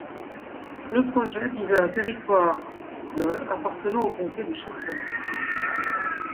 Le projet visait un territoire de appartenant au comté de Chesterfield.